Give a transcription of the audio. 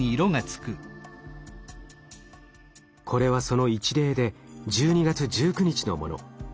これはその一例で１２月１９日のもの。